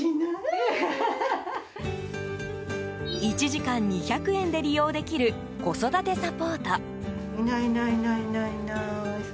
１時間２００円で利用できる子育てサポート。